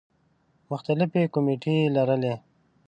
مختلفې کومیټې یې لرلې.